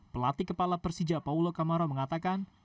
pelatih kepala persija paulo kamaro mengatakan